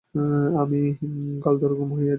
আমি গলদঘর্ম হয়ে যাচ্ছি।